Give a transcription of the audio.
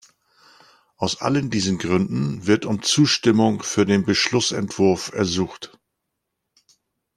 Aus allen diesen Gründen wird um Zustimmung für den Beschlussentwurf ersucht.